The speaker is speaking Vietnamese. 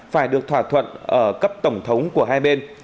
phải được thỏa thuận ở cấp tổng thống của hai bên